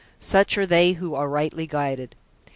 Such are they who are the rightly guided.